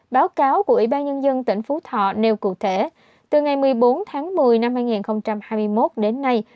báo cáo của ủy ban nhân dân tỉnh phú thọ nêu cụ thể từ ngày một mươi bốn tháng một mươi năm hai nghìn hai mươi một đến nay